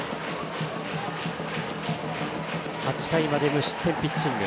８回まで無失点ピッチング。